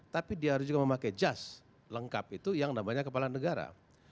tapi dia harus juga memakai jas lengkap itu yang namanya kepala negara